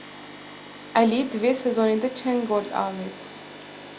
Elî di vê sezonê de çend gol avêt?